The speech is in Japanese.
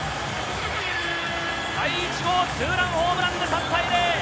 第１号ツーランホームランで３対０。